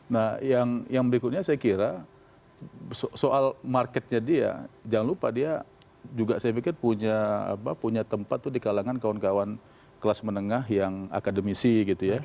nah yang berikutnya saya kira soal marketnya dia jangan lupa dia juga saya pikir punya tempat tuh di kalangan kawan kawan kelas menengah yang akademisi gitu ya